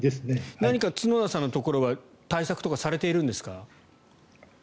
何か角田さんのところは対策とかはされているんですか？